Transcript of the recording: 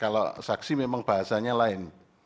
kalau saksi memang bahasanya lain